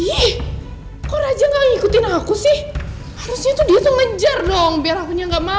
aku yakin muna pasti terus mengaruhi raja